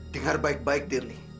dengar baik baik dirli